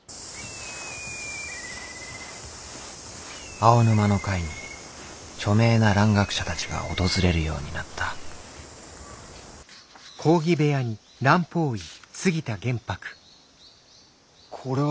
青沼の会に著名な蘭学者たちが訪れるようになったこれは。